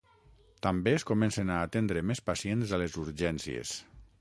També es comencen a atendre més pacients a les urgències.